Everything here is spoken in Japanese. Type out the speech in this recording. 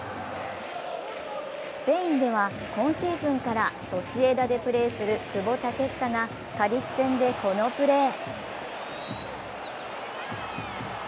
スペインでは今シーズンからソシエダでプレーする久保建英がカディス戦でこのプレー。